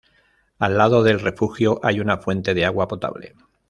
Al lado del refugio hay una fuente de agua potable.